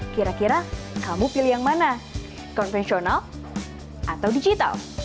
kira kira kamu pilih yang mana konvensional atau digital